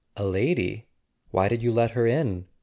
"A lady? Why did you let her in?